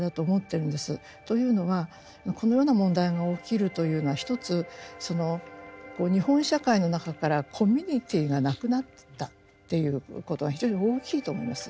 というのはこのような問題が起きるというのは一つ日本社会の中からコミュニティーがなくなったっていうことが非常に大きいと思います。